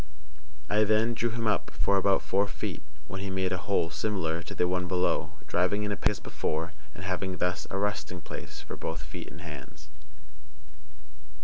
I then drew him up for about four feet, when he made a hole similar to the one below, driving in a peg as before, and having thus a resting place for both feet and hands.